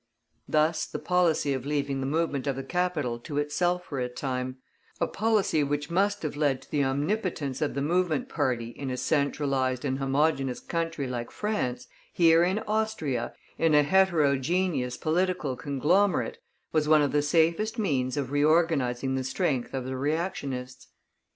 Thus the policy of leaving the movement of the capital to itself for a time; a policy which must have led to the omnipotence of the movement party in a centralized and homogeneous country like France, here in Austria, in a heterogeneous political conglomerate, was one of the safest means of reorganizing the strength of the reactionists.